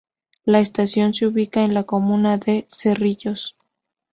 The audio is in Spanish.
La estación se ubica en la comuna de Cerrillos.